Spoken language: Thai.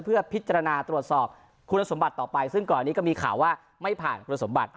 เพื่อพิจารณาตรวจสอบคุณสมบัติต่อไปซึ่งก่อนอันนี้ก็มีข่าวว่าไม่ผ่านคุณสมบัติ